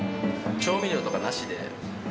調味料とかなしで。